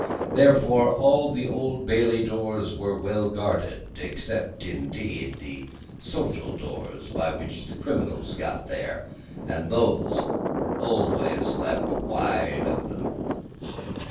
Therefore, all the Old Bailey doors were well guarded except, indeed, the social doors by which the criminals got there, and those were always left wide open.